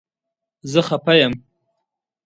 زه خفه یم